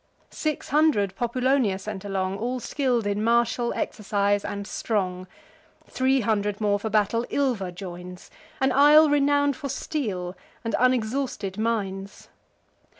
Six hundred Populonia sent along, All skill'd in martial exercise, and strong. Three hundred more for battle Ilva joins, An isle renown'd for steel, and unexhausted mines.